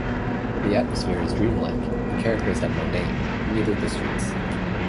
The atmosphere is dreamlike, the characters have no name, neither the streets.